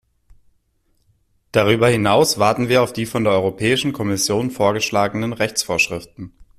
Darüber hinaus warten wir auf die von der Europäischen Kommission vorgeschlagenen Rechtsvorschriften.